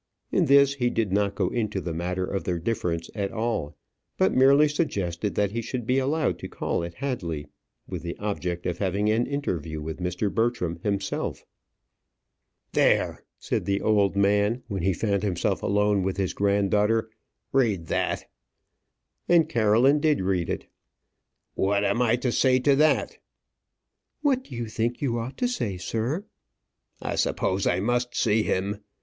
In this he did not go into the matter of their difference at all, but merely suggested that he should be allowed to call at Hadley with the object of having an interview with Mr. Bertram himself. "There," said the old man, when he found himself alone with his granddaughter; "read that." And Caroline did read it. "What am I to say to that?" "What do you think you ought to say, sir?" "I suppose I must see him.